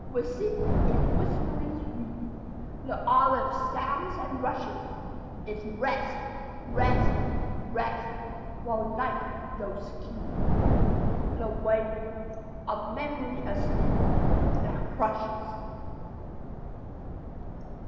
Within its whispering sweep The olive sounds and rushes; It's "rest, rest, rest," while night doth keep The weight of memory asleep That crushes.